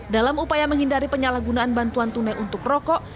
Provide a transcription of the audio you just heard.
dalam upaya menghindari penyalahgunaan bantuan tunai untuk rokok